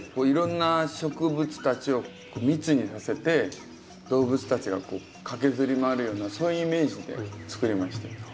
いろんな植物たちを密にさせて動物たちが駆けずり回るようなそういうイメージでつくりました。